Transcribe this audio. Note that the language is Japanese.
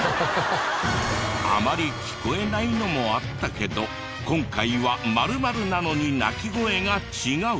あまり聞こえないのもあったけど今回は○○なのに鳴き声が違う！